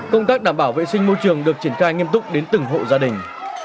công tác đảm bảo vệ sinh môi trường được triển khai nghiêm túc đến từng hộ gia đình